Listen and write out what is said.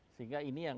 sehingga ini yang